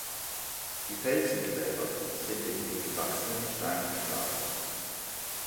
Die Felsengräber sind in den gewachsenen Stein geschlagen.